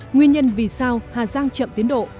nguyên nhân vì sao hà giang chậm tiến độ